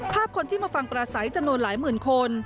คนที่มาฟังปราศัยจำนวนหลายหมื่นคน